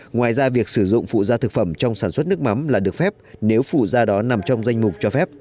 ngoài ra việc sử dụng phụ gia thực phẩm trong sản xuất nước mắm là được phép nếu phụ da đó nằm trong danh mục cho phép